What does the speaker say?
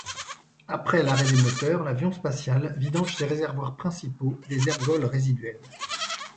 Après l'arrêt des moteurs, l'avion spatial vidange ses réservoirs principaux des ergols résiduels.